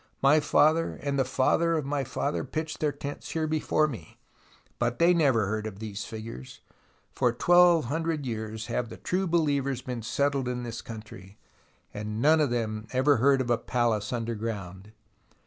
My father, and the father of my father, pitched their tents here before me ; but they never heard of these figures. For twelve hundred years have the true believers been settled in this country, and none of them ever heard of a palace under ground.